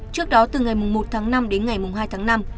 trước đó từ ngày một tháng năm đến ngày hai tháng năm